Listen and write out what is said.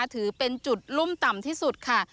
ถือเป็นจุดรุ่มต่ำที่สุดค่ะ